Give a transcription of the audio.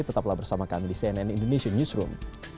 tetaplah bersama kami di cnn indonesian newsroom